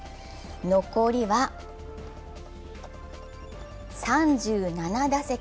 残りは３７打席。